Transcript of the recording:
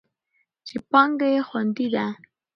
چې پانګه یې خوندي ده.